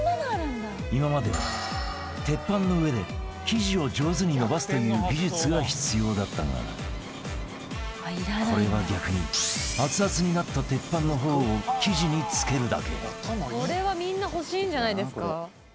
今までは、鉄板の上で生地を上手に伸ばすという技術が必要だったがこれは逆にアツアツになった鉄板の方を生地につけるだけ指原：これは、みんな欲しいんじゃないですか？